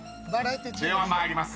［では参ります。